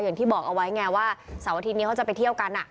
อย่างที่บอกเอาไว้ไงว่าเสาร์อาทิตย์นี้เขาจะไปเที่ยวกัน